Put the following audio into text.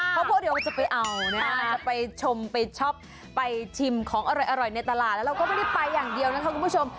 เพราะพวกเดียวจะไปเอานะจะไปชมไปชอบไปชิมของอร่อยในตลาดแล้วเราก็ไม่ได้ไปอย่างเดียวนะคะคุณผู้ชม